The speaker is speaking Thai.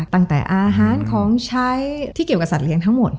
ตั้งแต่อาหารของใช้ที่เกี่ยวกับสัตเลี้ยงทั้งหมด